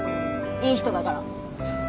いい人だから。